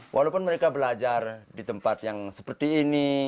walaupun mereka belajar di tempat yang seperti ini